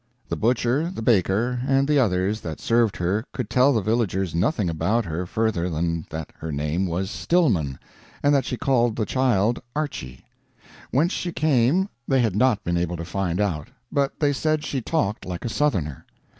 The butcher, the baker, and the others that served her could tell the villagers nothing about her further than that her name was Stillman, and that she called the child Archy. Whence she came they had not been able to find out, but they said she talked like a Southerner.